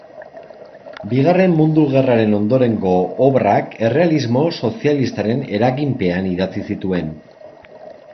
Bigarren Mundu Gerraren ondorengo obrak errealismo sozialistaren eraginpean idatzi zituen.